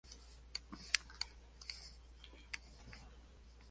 Grietas reticulares y longitudinales finas.